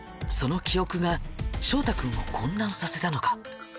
その記憶が翔太君を混乱させたのか？